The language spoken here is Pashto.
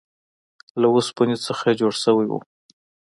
له اوسپنې څخه جوړ شوی و.